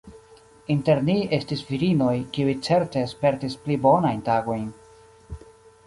Inter ni estis virinoj, kiuj certe spertis pli bonajn tagojn.